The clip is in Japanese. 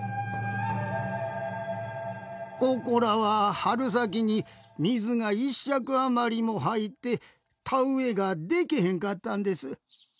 ここらは春先に水が１尺余りも入って田植えがでけへんかったんです。